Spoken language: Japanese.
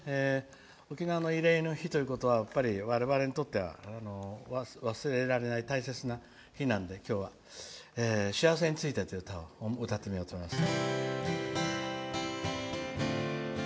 沖縄の慰霊の日ということは我々にとっては忘れられない大切な日なんで、今日は「しあわせについて」という歌を歌ってみようと思います。